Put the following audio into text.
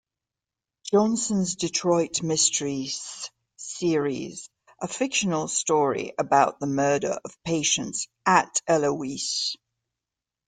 Johnson's Detroit mysteries series, a fictional story about the murder of patients at Eloise.